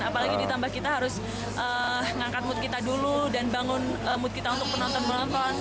apalagi ditambah kita harus ngangkat mood kita dulu dan bangun mood kita untuk penonton penonton